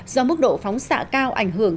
do mức độ phóng xạ cao ảnh hưởng